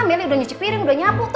meli udah nyucik piring udah nyapuk